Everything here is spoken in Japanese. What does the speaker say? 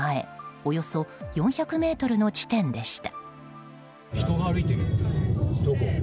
およそ４００ｍの地点でした。